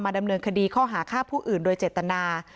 ดำเนินคดีข้อหาฆ่าผู้อื่นโดยเจตนา